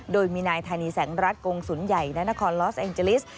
โดยมีนายธานีแสงรัฐกงศูนย์ใหญ่ณนครลอสแองเจลิส